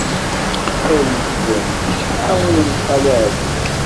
Ttxil-went, ɛawnemt Xali Ɛli.